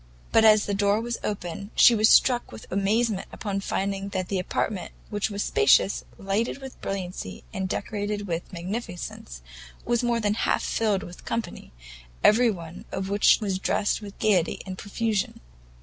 But as the door was opened, she was struck with amazement upon finding that the apartment, which was spacious, lighted with brilliancy, and decorated with magnificence, was more than half filled with company, every one of which was dressed with gaiety and profusion.